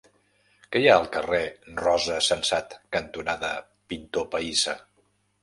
Què hi ha al carrer Rosa Sensat cantonada Pintor Pahissa?